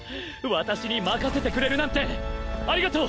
私に任せてくれるなんてありがとう！